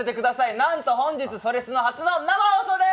なんと本日「それスノ」初の生放送でーす。